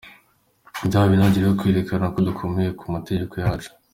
Byaba n’intangiriro yo kwerekana ko dukomeye ku mategeko yacu.